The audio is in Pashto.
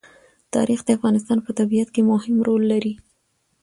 تاریخ د افغانستان په طبیعت کې مهم رول لري.